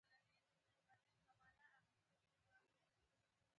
• د غاښونو خرابوالی باید ژر حل شي.